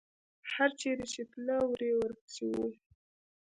هر چېرې چې تله، وری ورپسې و.